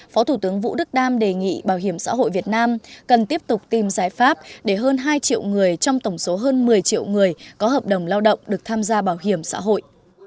phó thủ tướng vũ đức đam đề nghị bảo hiểm xã hội việt nam cần tiếp tục tìm giải pháp để hơn hai triệu người trong tổng số hơn một mươi triệu người có hợp đồng lao động được tham gia bảo hiểm xã hội